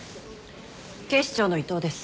警視庁の伊藤です。